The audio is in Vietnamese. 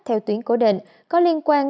theo tuyến cổ định có liên quan